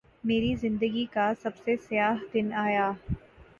میری زندگی کا سب سے سیاہ دن آیا